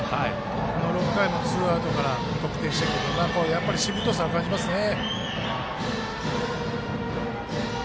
この６回も、ツーアウトから得点してくるというやっぱり、しぶとさを感じますね。